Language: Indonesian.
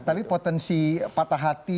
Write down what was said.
tapi potensi patah hati